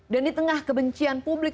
dan di tengah kebencian publik